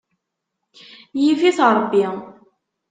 Yif-it Ṛebbi.